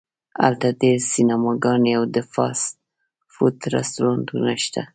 هلته ډیر سینماګانې او د فاسټ فوډ رستورانتونه شته